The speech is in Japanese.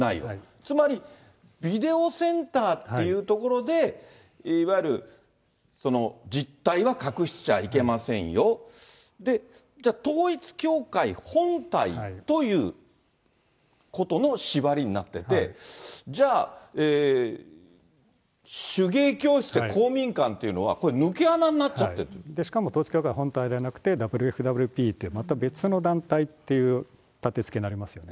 つまり、ビデオセンターっていう所で、いわゆるその、実態は隠しちゃいけませんよ、じゃあ、統一教会本体ということの縛りになってて、じゃあ、手芸教室で公民館というのは、これ、しかも、統一教会本体ではなくて、ＷＦＷＰって、また別の団体っていう立てつけになりますよね。